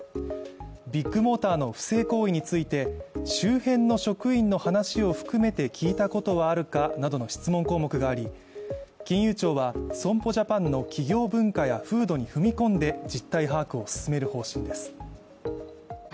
ビッグモーターの不正行為について周辺の職員の話を含めて聞いたことはあるかなどの質問項目があり、金融庁は損保ジャパンの企業文化や風土に踏み込んで実態把握を進める方針です。